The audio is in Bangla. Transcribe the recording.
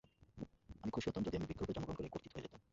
আমি খুশি হতাম যদি আমি বৃক্ষ রূপে জন্মগ্রহণ করে কর্তিত হয়ে যেতাম।